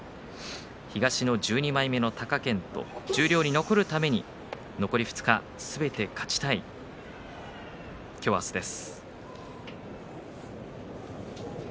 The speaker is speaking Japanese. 東の１２枚目、貴健斗十両に残るためには残り２日すべて勝ちたい今日、明日です。